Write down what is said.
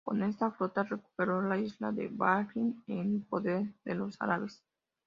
Con esta flota recuperó la isla de Bahrein en poder de los árabes.